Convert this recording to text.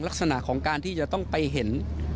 ลักษณะของการที่จะต้องไปเห็น